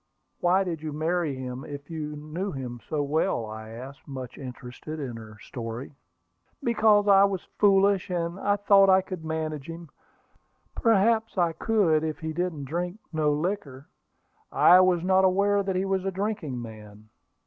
"Why did you marry him if you knew him so well?" I asked, much interested in her story. "Because I was foolish, and thought I could manage him. Perhaps I could, if he didn't drink no liquor." "I was not aware that he was a drinking man."